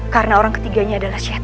karena orang ketiganya adalah syetan